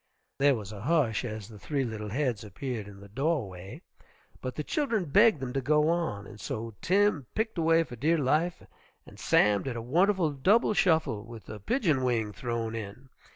There was a hush as the three little heads appeared in the doorway, but the children begged them to go on, and so Tim picked away for dear life and Sam did a wonderful double shuffle with the pigeon wing thrown in.